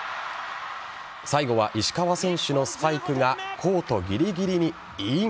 最後は石川選手のスパイクがコートぎりぎりにイン。